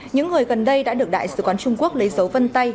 những người gần đây đã được đại sứ quán trung quốc lấy dấu vân tay